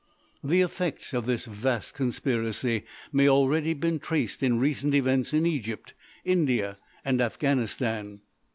The effects of this vast conspiracy may already be traced in recent events in Egypt, India, and Afghanistan.